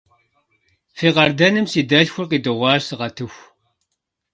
Фи къардэным си дэлъхур къидыгъуащ, сыкъэтыху.